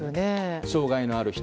障害のある人